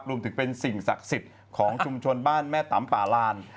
รวมถึงเป็นสิ่งศักดิ์สิทธิ์ของชุมชนบ้านแม่ตำป่าลาน